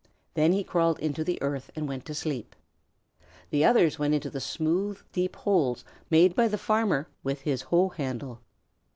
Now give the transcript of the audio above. Then he crawled into the earth and went to sleep. The others went into the smooth, deep holes made by the farmer with his hoe handle.